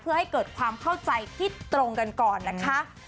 เพื่อให้เกิดความเข้าใจที่ตรงกันก่อนนะคะ